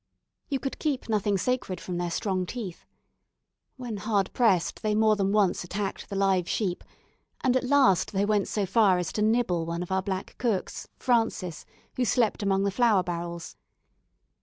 You could keep nothing sacred from their strong teeth. When hard pressed they more than once attacked the live sheep; and at last they went so far as to nibble one of our black cooks, Francis, who slept among the flour barrels.